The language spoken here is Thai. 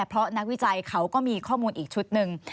เพราะนักวิจัยเขาก็มีข้อมูลอีกชุดหนึ่ง